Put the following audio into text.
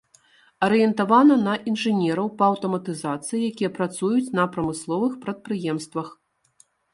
Арыентавана на інжынераў па аўтаматызацыі, якія працуюць на прамысловых прадпрыемствах.